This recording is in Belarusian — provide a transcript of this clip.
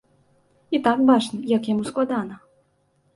І так бачна, як яму складана.